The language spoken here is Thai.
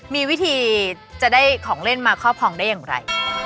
มีวิธีจะได้ของเล่นมาครอบครองได้อย่างไร